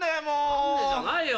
何でじゃないよ